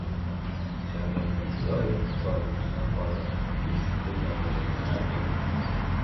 Shavkat Mirziyoyev Tojikiston poytaxti Dushanbe shahriga jo‘nab ketdi